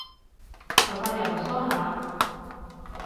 頭髮又唔梳下